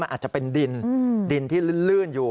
อาจจะเป็นดินดินที่ลื่นอยู่